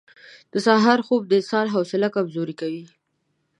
• د سهار خوب د انسان حوصله کمزورې کوي.